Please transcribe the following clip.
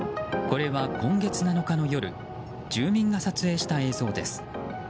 これは今月７日の夜住民が撮影した映像です。